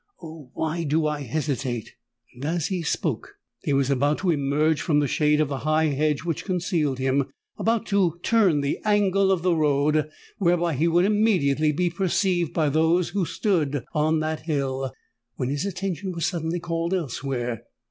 "Oh! why do I hesitate?" And, as he spoke, he was about to emerge from the shade of the high hedge which concealed him,—about to turn the angle of the road, whereby he would immediately be perceived by those who stood on the hill,—when his attention was suddenly called elsewhere.